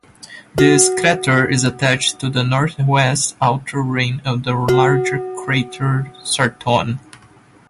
This crater is attached to the northwest outer rim of the larger crater Sarton.